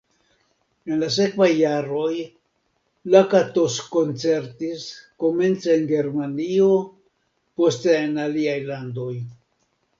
En la sekvaj jaroj Lakatos koncertis, komence en Germanio, poste en aliaj landoj.